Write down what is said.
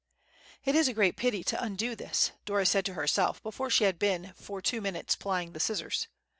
"It is a great pity to undo this," Dora said to herself before she had been for two minutes plying the scissors.